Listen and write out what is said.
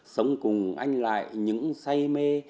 sống cùng anh lại những say mê